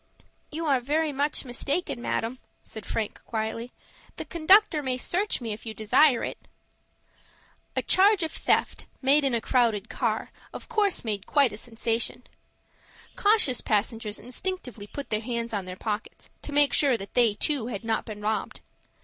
"You are very much mistaken, madam," said Frank, quietly. "The conductor may search me, if you desire it." A charge of theft, made in a crowded car, of course made quite a sensation. Cautious passengers instinctively put their hands on their pockets, to make sure that they, too, had not been robbed.